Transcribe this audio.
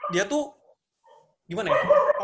dia tuh gimana ya